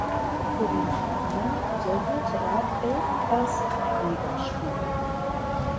Für den Verein absolvierte er elf Erstligaspiele.